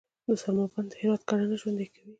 د سلما بند د هرات کرنه ژوندي کوي